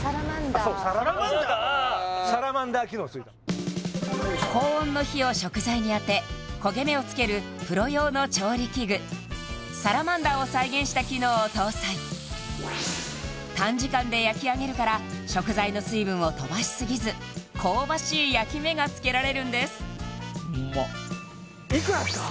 そうサラマンダー高温の火を食材に当て焦げ目をつけるプロ用の調理器具サラマンダーを再現した機能を搭載短時間で焼き上げるから食材の水分を飛ばしすぎず香ばしい焼き目がつけられるんですうまいくらですか？